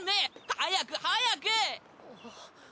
早く早く！